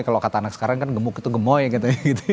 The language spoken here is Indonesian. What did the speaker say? kalau kata anak sekarang kan gemuk itu gemoy katanya gitu